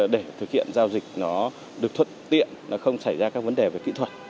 để thực hiện giao dịch nó được thuận tiện nó không xảy ra các vấn đề về kỹ thuật